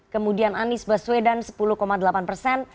kemudian anies baswedan sepuluh delapan persen